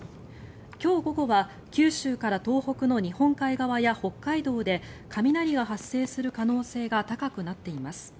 今日午後は九州から東北の日本海側や北海道で雷が発生する可能性が高くなっています。